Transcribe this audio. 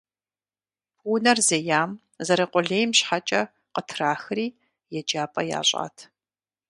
Унэр зеям, зэрыкъулейм щхьэкӏэ, къытрахри еджапӏэ ящӏат.